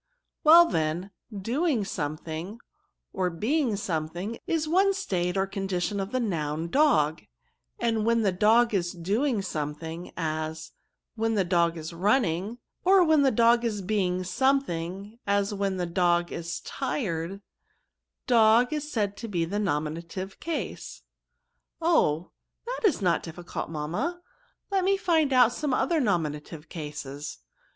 ^^ Well then, doing something, or being something, is one state or condition of the noun dog]: and when the dog is doing some thing, as, when the dog is running ; or when the dog is being something, as when the dog is tired ; dog is said to be in the nominative case.'' *^ Oh ! that is not difficult, mamma ; let me find out some other nominative cases.